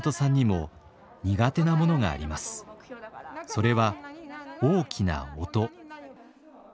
それは大きな音。